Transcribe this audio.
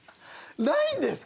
ないんですか？